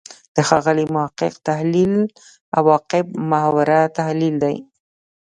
د ښاغلي محق تحلیل «عواقب محوره» تحلیل دی.